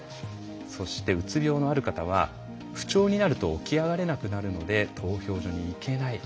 そしてうつ病のある方は不調になると起き上がれなくなるので投票所に行けない。